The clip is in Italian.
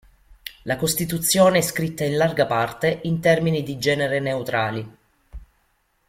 La Costituzione è scritta in larga parte in termini di genere neutrali.